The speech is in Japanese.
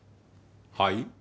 はい？